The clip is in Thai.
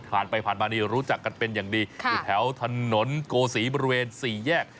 ผ่านไปผ่านมานี่รู้จักกันเป็นอย่างดีอยู่แถวถนนโกศีบริเวณสี่แยก